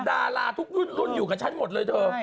ดาราทุกรุ่นอยู่กับฉันหมดเลยเธอ